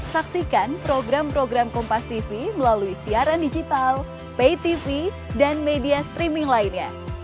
saksikan program program kompastv melalui siaran digital paytv dan media streaming lainnya